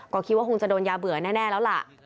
ก็คิดว่าคงจะโดนยาเบื่อแน่แล้วล่ะ